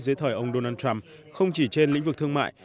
dưới thời ông donald trump không chỉ trên lĩnh vực thương mại